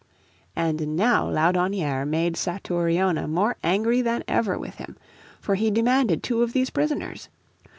And now Laudonnière made Satouriona more angry than ever with him. For he demanded two of these prisoners.